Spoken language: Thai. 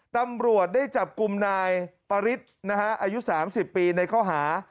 ตำรวจได้จับกลุ่มนายปริศอายุ๓๐ปีในข้อหา